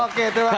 oke terima kasih